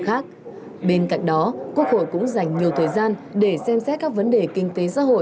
khác bên cạnh đó quốc hội cũng dành nhiều thời gian để xem xét các vấn đề kinh tế xã hội